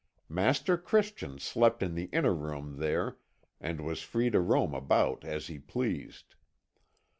Master Christian slept in the inner room there, and was free to roam about as he pleased.